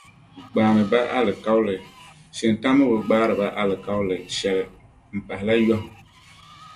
Gbaami ba alikauli, shintaŋ mi bi gbaari ba alikauli shɛli m-pahila yɔhim.